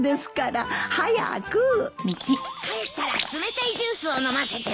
帰ったら冷たいジュースを飲ませてね。